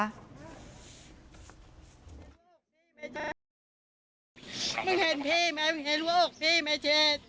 มันเห็นพี่ไหมเห็นว่าโอ้โหพี่ไหมเชษฐ์